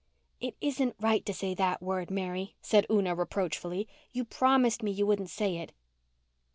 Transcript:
"It isn't right to say that word, Mary," said Una reproachfully. "You promised me you wouldn't say it."